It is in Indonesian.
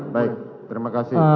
baik terima kasih